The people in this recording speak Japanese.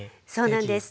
そうなんです。